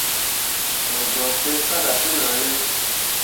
Mo joŋ fĩĩ faɗa tenahne.